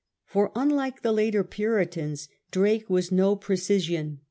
For, un like the later Puritans, Drake was no precisian.